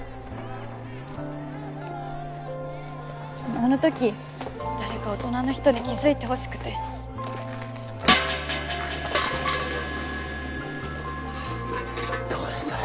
・あの時誰か大人の人に気づいてほしくて誰だよ